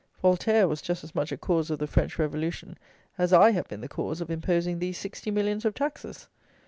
Voltaire was just as much a cause of the French Revolution as I have been the cause of imposing these sixty millions of taxes.